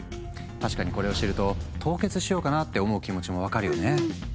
確かにこれを知ると凍結しようかなって思う気持ちも分かるよね。